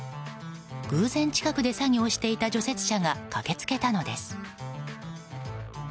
偶然近くで作業していた除雪車が駆け付けたのです。